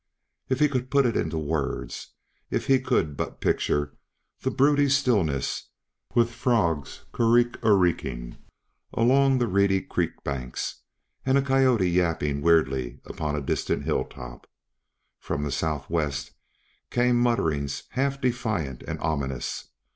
If he could put it into words; if he could but picture the broody stillness, with frogs cr ekk, er ekking along the reedy creek bank and a coyote yapping weirdly upon a distant hilltop! From the southwest came mutterings half defiant and ominous.